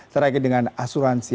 terkait dengan asuransi